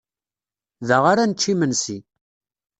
Da ara nečč imensi.